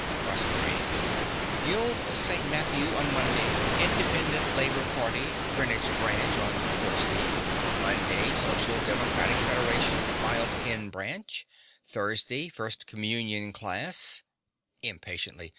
PROSERPINE. Guild of St. Matthew on Monday. Independent Labor Party, Greenwich Branch, on Thursday. Monday, Social Democratic Federation, Mile End Branch. Thursday, first Confirmation class (Impatiently).